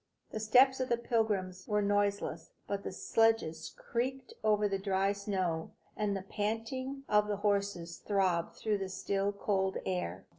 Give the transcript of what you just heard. The steps of the pilgrims were noiseless; but the sledges creaked over the dry snow, and the panting of the horses throbbed through the still, cold air.